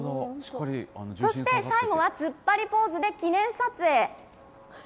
そして、最後は突っ張りポーズで記念撮影。